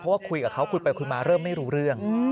เพราะว่าคุยกับเขาคุยไปคุยมาเริ่มไม่รู้เรื่อง